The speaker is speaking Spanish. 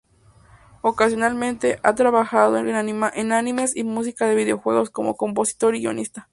Ocasionalmente ha trabajado en animes y música de videojuegos, como compositor y guionista.